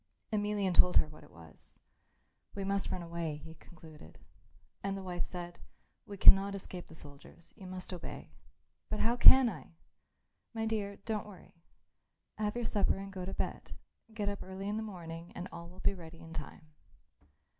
Emelian told her what it was. "We must run away," he concluded. And the wife said, "We cannot escape the soldiers. You must obey." "But how can I?" "My dear, don't worry. Have your supper and go to bed. Get up early in the morning and all will be ready in time."